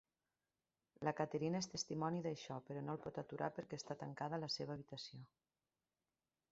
La Katerina és testimoni d'això, però no el pot aturar perquè està tancada a la seva habitació.